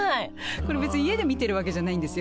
これ別に家で見てるわけじゃないんですよ